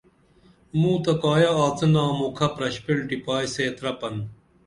مُوں تہ کایہ آڅِنا مُکھہ پرشپیل ٹِپائی سے ترپن